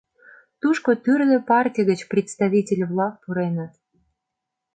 Тушко тӱрлӧ партий гыч представитель-влак пуреныт.